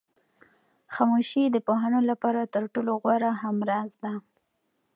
خاموشي د پوهانو لپاره تر ټولو غوره همراز ده.